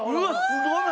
すごーい！